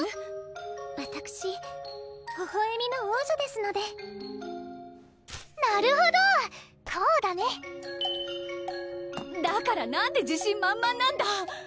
わたくし微笑みの王女ですのでなるほどこうだねだからなんで自信満々なんだ！